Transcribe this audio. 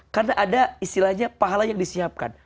karena ada istilahnya pahala yang disiapkan